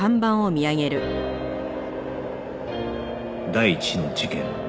第１の事件